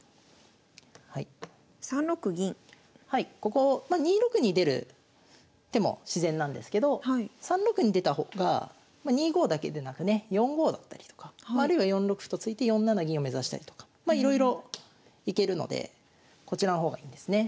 ここ２六に出る手も自然なんですけど３六に出た方がま２五だけでなくね４五だったりとかあるいは４六歩と突いて４七銀を目指したりとかまいろいろ行けるのでこちらの方がいいんですね。